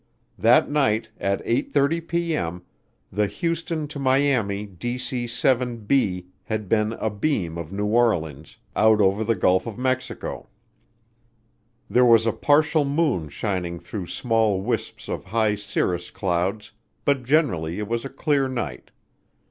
That night, at 8:30P.M., the Houston to Miami DC 7B had been "abeam" of New Orleans, out over the Gulf of Mexico. There was a partial moon shining through small wisps of high cirrus clouds but generally it was a clear night.